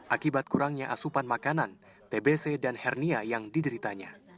akibat kurangnya asupan makanan tbc dan hernia yang dideritanya